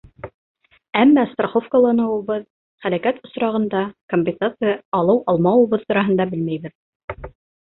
Әммә страховкаланыуыбыҙ, һәләкәт осрағында компенсация алыу-алмауыбыҙ тураһында белмәйбеҙ...